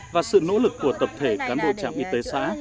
và sự nỗ lực của tập thể cán bộ trạm y tế xã